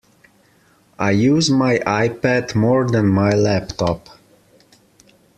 I use my iPad more than my laptop